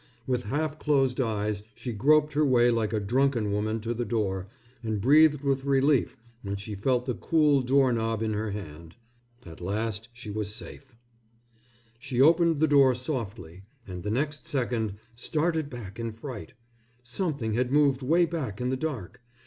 With half closed eyes she groped her way like a drunken woman to the door and breathed with relief when she felt the cool door knob in her hand. At last she was safe. She opened the door softly and the next second started back in fright. Something had moved way back in the dark.